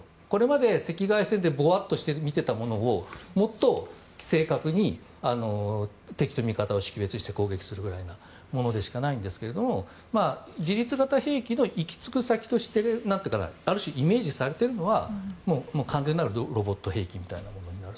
赤外線でぼわっと見てたものをもっと正確に敵と味方を識別して攻撃するぐらいのものでしかないですが、自律型兵器のある種イメージされているのは完全なるロボット兵器みたいなものになる。